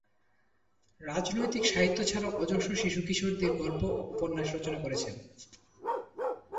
রাজনৈতিক সাহিত্য ছাড়াও অজস্র শিশু কিশোরদের গল্প, উপন্যাস অনুবাদ করেছেন।